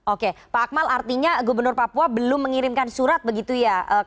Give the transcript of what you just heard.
oke pak akmal artinya gubernur papua belum mengirimkan surat begitu ya